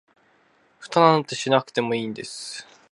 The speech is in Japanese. フタなんてしなくてもいいんです